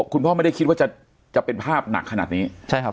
คุณพ่อไม่ได้คิดว่าจะจะเป็นภาพหนักขนาดนี้ใช่ครับ